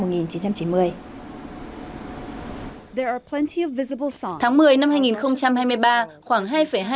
tháng một mươi năm hai nghìn hai mươi ba khoảng hai hai triệu người từ một mươi năm tuổi trở thành người dùng tiktok